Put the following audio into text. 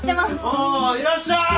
ああいらっしゃい！